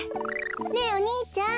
ねえお兄ちゃん。